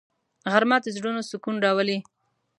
غرمه د زړونو سکون راولي